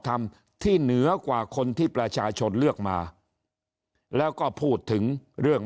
ธรรมที่เหนือกว่าคนที่ประชาชนเลือกมาแล้วก็พูดถึงเรื่อง